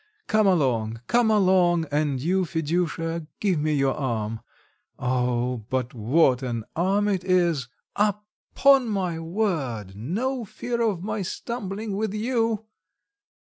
Come along, come along, and you, Fedusha, give me your arm. Oh! but what an arm it is! Upon my word, no fear of my stumbling with you!"